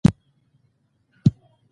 زما کاکا زوړ ده